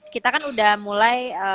kita kan udah mulai